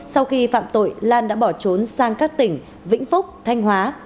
sau khi phạm tội lan đã bỏ trốn sang các tỉnh vĩnh phúc thanh hóa